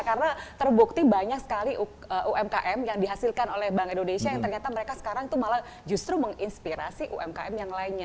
karena terbukti banyak sekali umkm yang dihasilkan oleh bank indonesia yang ternyata mereka sekarang itu malah justru menginspirasi umkm yang lainnya